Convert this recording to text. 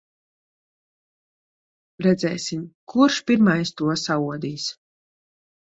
Redzēsim, kurš pirmais to saodīs.